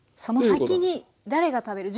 その先に誰が食べる。